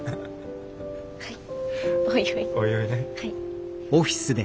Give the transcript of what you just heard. はい。